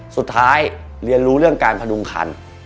สุดท้ายเรียนรู้เรื่องการพดุงคัน